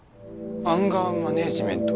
アンガーマネジメント？